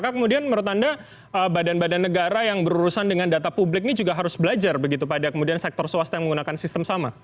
kemudian menurut anda badan badan negara yang berurusan dengan data publik ini juga harus belajar begitu pada kemudian sektor swasta yang menggunakan sistem sama